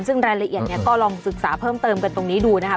ซึ่งรายละเอียดเนี่ยก็ลองศึกษาเพิ่มเติมกันตรงนี้ดูนะครับ